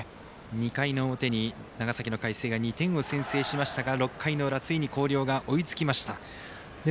２回の表に長崎の海星が２点を先制しましたがついに広陵が追いつきました。